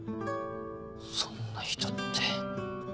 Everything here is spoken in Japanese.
「そんな人」って。